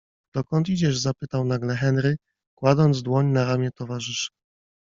- Dokąd idziesz? - zapytał nagle Henry, kładąc dłoń na ramię towarzysza.